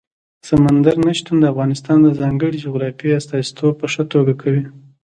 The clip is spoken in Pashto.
سمندر نه شتون د افغانستان د ځانګړي جغرافیې استازیتوب په ښه توګه کوي.